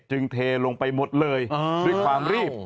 เทลงไปหมดเลยด้วยความรีบ